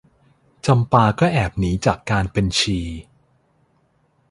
จำปาก็แอบหนีจากการเป็นชี